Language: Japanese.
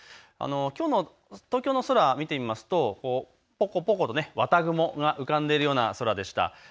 きょうの東京の空、見てみますとぽこぽこと綿雲が浮かんでいるような空でした。